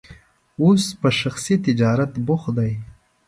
اوس په شخصي تجارت بوخت دی.